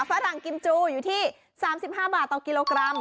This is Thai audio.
ฝรั่งกิมจูอยู่ที่๓๕บาทต่อกิโลกรัม